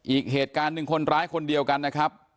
อีกเหตุการณ์หนึ่งคนร้ายคนเดียวกันนะครับ